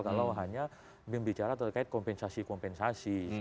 kalau hanya membicara terkait kompensasi kompensasi